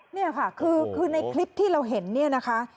นี่ค่ะคือในคลิปที่เราเห็นเนี่ยนะคะ